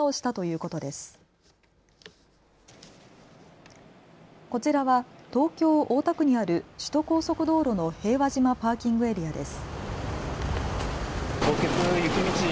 こちらは東京大田区にある首都高速道路の平和島パーキングエリアです。